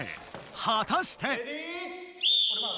はたして。